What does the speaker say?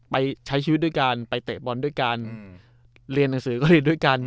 ไปใช้ชีวิตด้วยกันไปเตะบอลด้วยกันเรียนหนังสือก็เรียนด้วยกัน